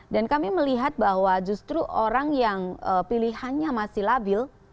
dan kami melihat bahwa justru orang yang pilihannya masih labil